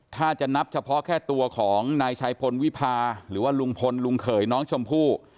ถ้าจะนับเฉพาะแค่ตัวของนายชัยพลวิพาหรือว่าลุงพลลุงเขยน้องชมพู่